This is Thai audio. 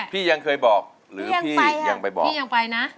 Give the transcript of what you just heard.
พี่ยังเคยบอกหรือพี่ยังไปบอกพี่ยังไปนะ